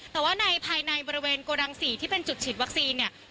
แต่ว่าในภายในบริเวณโกดัง๔ที่เป็นจุดฉีดวัคซีนเนี่ย